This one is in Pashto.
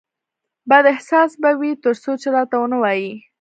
بد احساس به وي ترڅو چې راته ونه وایې